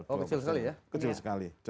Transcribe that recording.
oh kecil sekali ya